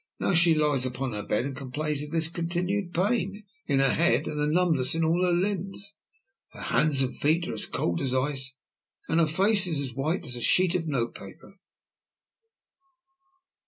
Now she lies upon her bed and complains of this continued pain in her head and the numbness in all her limbs. Her hands and feet are as cold as ice, and her face is as white as a sheet of note paper."